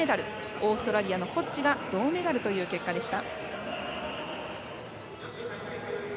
オーストラリアのホッジが銅メダルという結果でした。